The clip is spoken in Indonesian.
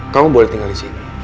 kamu boleh tinggal di sini